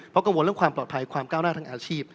เพราะกังวลเรื่องความปลอดภัยความก้าวหน้าทางอาชีพ